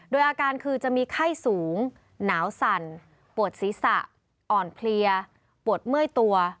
โดยอาการคือจะมีไข้สูงหนาวสั่นปวดศีรษะอ่อนเพลียปวดเมื่อยตัว